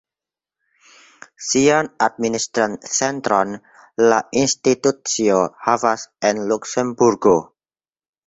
Sian administran centron la institucio havas en Luksemburgo.